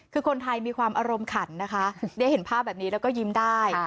คือคนไทยมีความอารมณ์ขันนะคะได้เห็นภาพแบบนี้แล้วก็ยิ้มได้